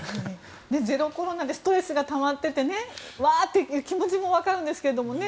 ゼロコロナでストレスがたまっててワーッという気持ちもわかるんですけどね。